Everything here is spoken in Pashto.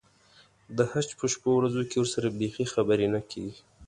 د حج په شپو ورځو کې ورسره بیخي خبرې نه کېږي.